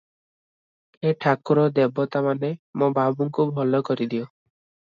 ହେ ଠାକୁର ଦେବତାମାନେ! ମୋ ବାବୁଙ୍କୁ ଭଲ କରିଦିଅ ।